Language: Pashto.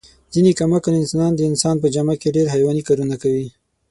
ځنې کم عقل انسانان د انسان په جامه کې ډېر حیواني کارونه کوي.